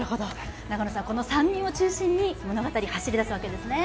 永野さん、この３人を中心に物語、走りだすわけですね。